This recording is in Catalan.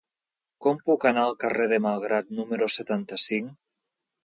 Com puc anar al carrer de Malgrat número setanta-cinc?